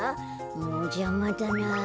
もうじゃまだなあ。